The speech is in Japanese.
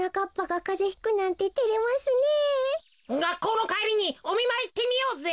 がっこうのかえりにおみまいいってみようぜ。